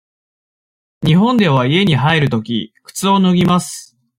日本では家に入るとき、靴を脱ぎます。